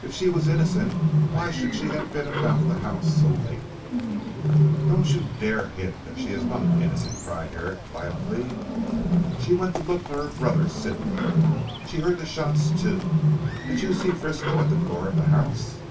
If she was innocent why should she have been about the house so late?" "Don't you dare to hint that she is not innocent," cried Herrick violently. "She went to look for her brother Sidney. She heard the shots too. Did you see Frisco at the door of the house?"